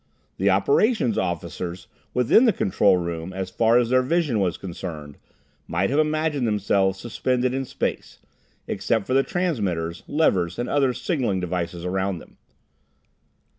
The operation officers within the control room, so far as their vision was concerned, might have imagined themselves suspended in space, except for the transmitters, levers and other signalling devices around them.